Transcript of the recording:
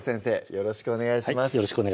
よろしくお願いします